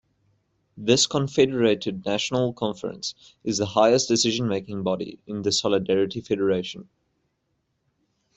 This confederated national conference is the highest decision making body in the Solidarity Federation.